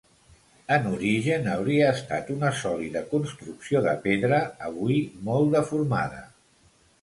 En origen hauria estat una sòlida construcció de pedra, avui molt deformada.